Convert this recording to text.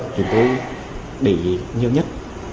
chúng tôi để ý nhiều nhất